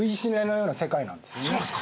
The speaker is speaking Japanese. そうなんですか？